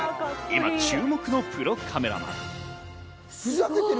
今注目のプロカメラマン。